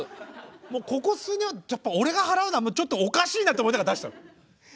もうここ数年はやっぱ俺が払うのはちょっとおかしいなと思いながら出した。